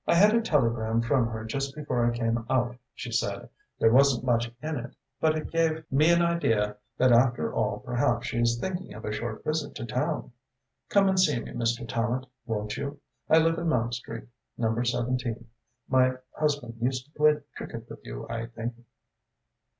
"I had a telegram from her just before I came out," she said. "There wasn't much in it, but it gave me an idea that after all perhaps she is thinking of a short visit to town. Come and see me, Mr. Tallente, won't you? I live in Mount Street Number 17. My husband used to play cricket with you, I think."